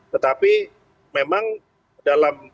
tetapi memang dalam